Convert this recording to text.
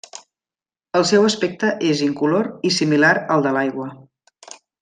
El seu aspecte és incolor i similar al de l'aigua.